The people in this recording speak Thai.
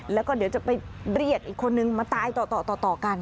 แล้วก็เดี๋ยวจะไปเรียกอีกคนนึงมาตายต่อกัน